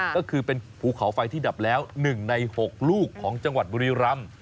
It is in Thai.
ก็คือเป็นภูเขาไฟที่ดับแล้ว๑ใน๖ลูกของจังหวัดบุรีรำ